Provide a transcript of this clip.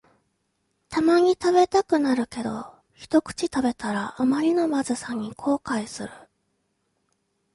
たまに食べたくなるけど、ひとくち食べたらあまりのまずさに後悔する